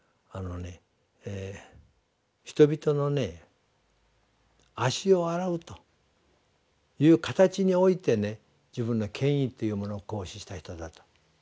人々の足を洗うという形において自分の権威っていうものを行使した人だと。